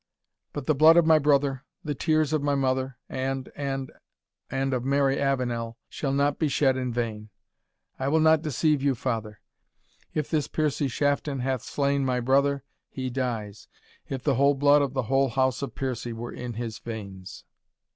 But the blood of my brother, the tears of my mother and and and of Mary Avenel, shall not be shed in vain. I will not deceive you, father if this Piercie Shafton hath slain my brother, he dies, if the whole blood of the whole house of Piercie were in his veins."